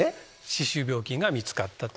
歯周病菌が見つかった。